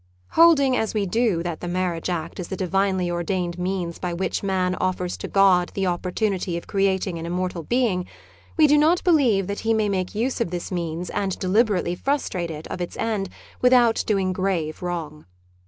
Holding, as w^e do, that the marriage act is the divinely ordained means by which man offers to God the opportunity of creating an immortal being, we do not believe that he may make use of this means and deliberately frustrate it of its end without doing grave wrong.